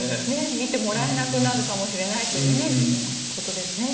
診てもらえなくなるかもしれないということですね。